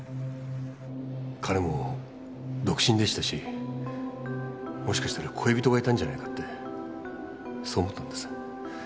彼も独身でしたしもしかしたら恋人がいたんじゃないかってそう思ったんです。